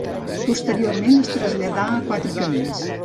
Posteriorment es traslladà als Quatre Camins.